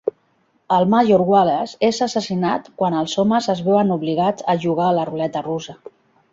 El major Wallace és assassinat quan els homes es veuen obligats a jugar a la ruleta russa.